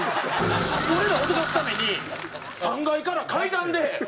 俺ら脅かすために３階から階段で。